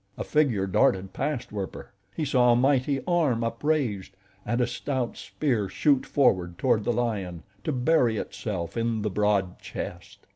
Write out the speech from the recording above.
A figure darted past Werper. He saw a mighty arm upraised, and a stout spear shoot forward toward the lion, to bury itself in the broad chest.